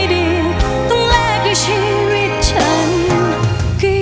ในตรงแหลกชีวิตฉันคิด